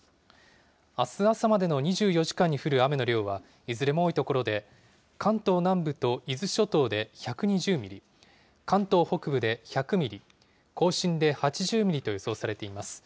あす朝までの２４時間に降る雨の量は、いずれも多い所で、関東南部と伊豆諸島で１２０ミリ、関東北部で１００ミリ、甲信で８０ミリと予想されています。